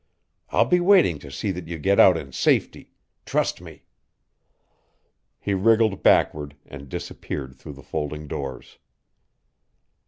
I'll be waiting to see that you get out in safety trust me!" He wriggled backward and disappeared through the folding doors.